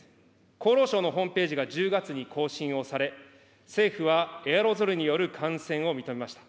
厚労省のホームページが１０月に更新をされ、政府はエアロゾルによる感染を認めました。